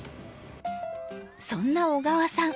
そんな小川さん